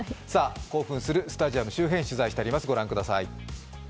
興奮するスタジアム周辺、取材してあります、ご覧ください。